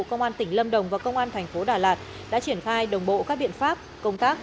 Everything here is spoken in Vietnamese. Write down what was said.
công an tỉnh lâm đồng và công an thành phố đà lạt đã triển khai đồng bộ các biện pháp công tác